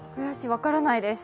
分からないです。